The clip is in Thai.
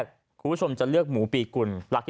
คุณผู้ชมจะเลือกหมูปีกุล